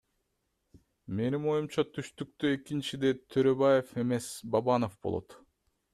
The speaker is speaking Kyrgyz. Менин оюмча түштүктө экинчиде Төрөбаев эмес Бабанов болот.